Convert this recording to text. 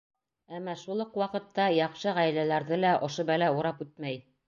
Әммә шул уҡ ваҡытта яҡшы ғаиләләрҙе лә ошо бәлә урап үтмәй.